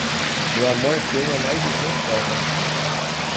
O amor queima mais de cem fogos.